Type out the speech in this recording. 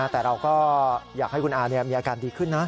แต่เราก็อยากให้คุณอามีอาการดีขึ้นนะ